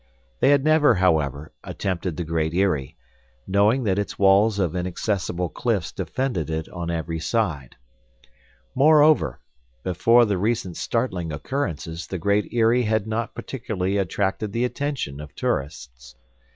They had never, however, attempted the Great Eyrie, knowing that its walls of inaccessible cliffs defended it on every side. Moreover, before the recent startling occurrences the Great Eyrie had not particularly attracted the attention of tourists.